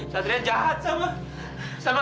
satria jahat sama